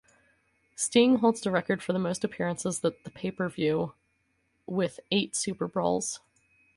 Sting holds the record for most appearances at the pay-per-view with eight SuperBrawls.